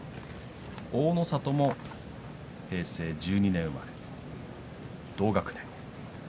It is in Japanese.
大の里も平成１２年生まれ、同学年。